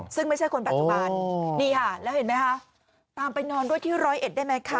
ซึ่งไม่ใช่คนปัจจุบันนี่ค่ะแล้วเห็นไหมคะตามไปนอนด้วยที่ร้อยเอ็ดได้ไหมคะ